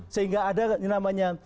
sehingga ada yang namanya